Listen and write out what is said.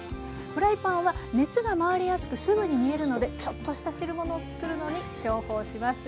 フライパンは熱が回りやすくすぐに煮えるのでちょっとした汁物をつくるのに重宝します。